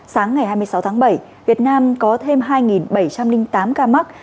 sáng ngày hai mươi sáu tháng bảy việt nam có thêm hai bảy trăm linh tám ca mắc